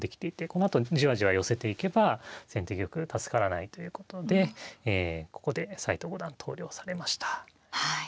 このあとじわじわ寄せていけば先手玉助からないということでここで斎藤五段投了されました。